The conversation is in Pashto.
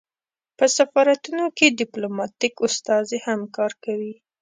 په سفارتونو کې ډیپلوماتیک استازي هم کار کوي